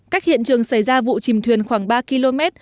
cách hiện trường xảy ra vụ chìm thuyền khoảng ba km